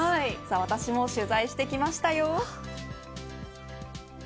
私も取材してきましたよ。